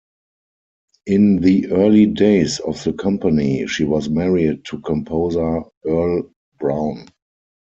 In the early days of the company, she was married to composer Earle Brown.